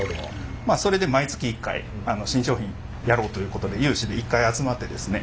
まあそれで毎月１回新商品やろうということで有志で一回集まってですねはい。